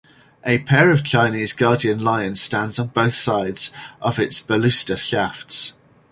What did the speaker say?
A pair of Chinese guardian lions stands on both sides of its baluster shafts.